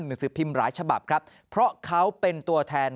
หนังสือพิมพ์หลายฉบับครับเพราะเขาเป็นตัวแทน